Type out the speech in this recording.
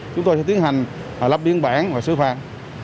chúng tôi sẽ tiến hành lắp biên bản và xứ phạt